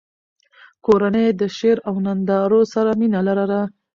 کورنۍ یې د شعر او نندارو سره مینه لرله.